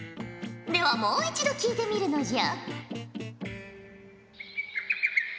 ではもう一度聞いてみるのじゃ。